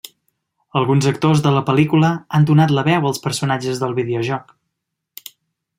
Alguns actors de la pel·lícula han donat la veu als personatges del videojoc.